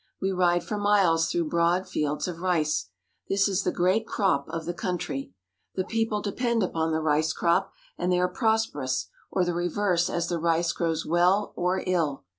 We ride for miles through broad fields of rice. This is the great crop of the country. The people depend upon the rice crop, and they are prosperous or the reverse as the rice grows well or ill.